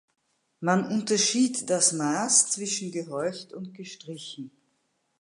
Man unterschied das Maß zwischen gehäuft und gestrichen.